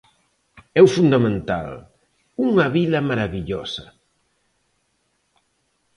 E o fundamental: unha vila marabillosa.